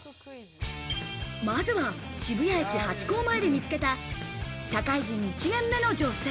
まずは渋谷駅ハチ公前で見つけた社会人１年目の女性。